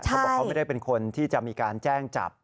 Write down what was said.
เขาบอกเขาไม่ได้เป็นคนที่จะมีการแจ้งจับ